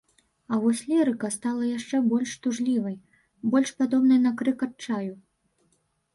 А вось лірыка стала яшчэ больш тужлівай, больш падобнай на крык адчаю.